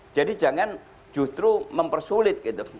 jadi jangan justru mempersulit gitu